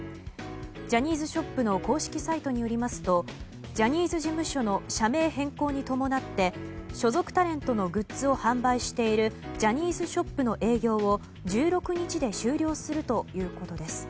ジャニーズショップの公式サイトによりますとジャニーズ事務所の社名変更に伴って所属タレントのグッズを販売しているジャニーズショップの営業を１６日で終了するということです。